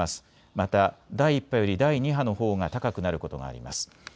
また第１波より第２波のほうが高くなることがあります。